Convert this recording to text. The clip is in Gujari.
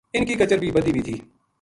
اِنھ کی کچر بھی بَدھی وی تھی